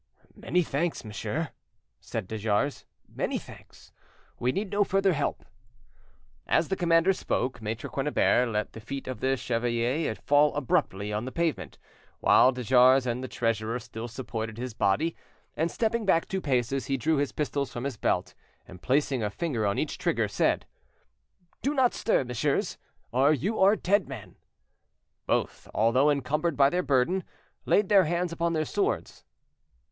"Many thanks, monsieur," said de Jars,—"many thanks; we need no further help." As the commander spoke, Maitre Quennebert let the feet of the chevalier fall abruptly on the pavement, while de Jars and the treasurer still supported his body, and, stepping back two paces, he drew his pistols from his belt, and placing a finger on each trigger, said— "Do not stir, messieurs, or you are dead men." Both, although encumbered by their burden, laid their hands upon their swords.